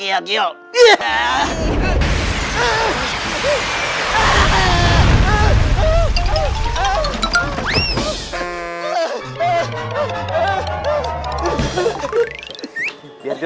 biar lu diapain lagi tuh sama bugi